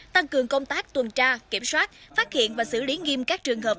tăng cường công tác tuần tra kiểm soát phát hiện và xử lý nghiêm các trường hợp